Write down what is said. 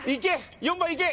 ４番いけ！